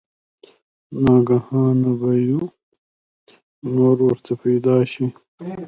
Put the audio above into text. ناګهانه به يو نُور ورته پېدا شي